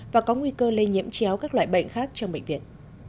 và có nguy cơ lây nhiễm chéo các loại bệnh khác trong bệnh viện